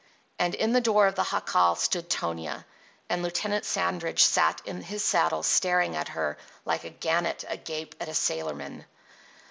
And in the door of the jacal stood Tonia. And Lieutenant Sandridge sat in his saddle staring at her like a gannet agape at a sailorman.